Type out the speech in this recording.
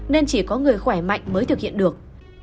nên chỉ có người khỏe mạnh mới thực hiện được